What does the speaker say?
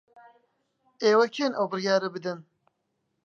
ئێوە کێن ئەو بڕیارە بدەن؟